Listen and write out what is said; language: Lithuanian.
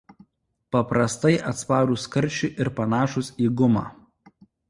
Paprastai atsparūs karščiui ir panašūs į gumą.